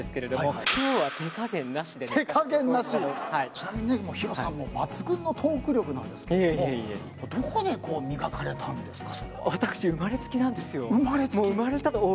ちなみにヒロさんも抜群のトーク力ですがどこで磨かれたんですか？